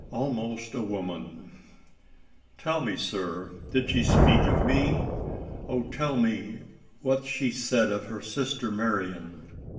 "Almost a woman." "Tell me, sir did she speak of me? Oh, tell me what said she of her sister Marian?"